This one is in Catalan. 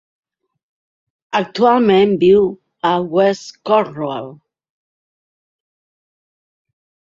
Actualment viu a West Cornwall.